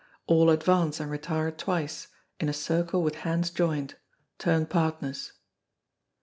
All advance and retire twice, in a circle with hands joined turn partners.